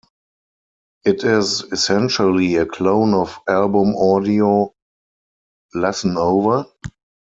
It is essentially a clone of album Audio Lessonover?